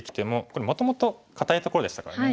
これもともと堅いところでしたからね。